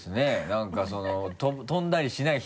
何かその飛んだりしない。